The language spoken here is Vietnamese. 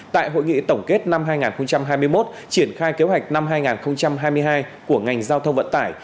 tại hội nghị tổng kết năm hai nghìn hai mươi một triển khai kế hoạch năm hai nghìn hai mươi hai của ngành giao thông vận tải